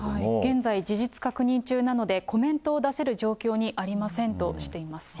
現在、事実確認中なのでコメントを出せる状況にありませんとしています。